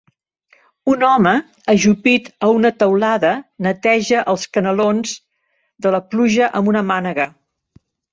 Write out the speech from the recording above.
Un home ajupit a un teulada neteja els canalons de la pluja amb una mànega.